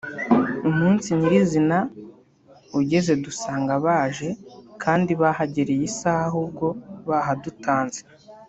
umunsi nyiri zina ugeze dusanga baje kandi bahagereye isaha ahubwo bahadutanze